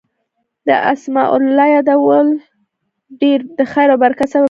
د اسماء الله يادول ډير د خير او برکت سبب دی